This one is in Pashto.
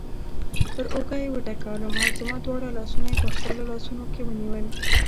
پر اوږه یې وټکولم او زما دواړه لاسونه یې په خپلو لاسونو کې ونیول.